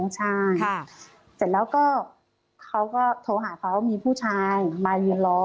ใช่เสร็จแล้วก็เขาก็โทรหาเขามีผู้ชายมายืนรอ